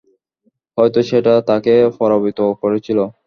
হয়ত সেটা তাকে পরাভূত করেছিল।